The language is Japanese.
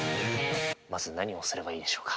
まず何をすればいいでしょうか？